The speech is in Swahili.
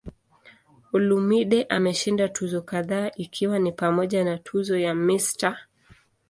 Olumide ameshinda tuzo kadhaa ikiwa ni pamoja na tuzo ya "Mr.